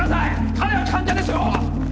彼は患者ですよ